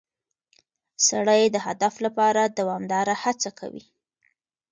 سړی د هدف لپاره دوامداره هڅه کوي